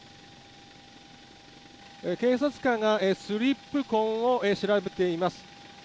警察官がスリップ痕を調べています。